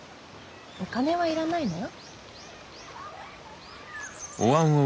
お金はいらないのよ。